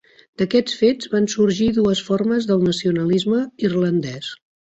D'aquests fets van sorgir dues formes del nacionalisme irlandès.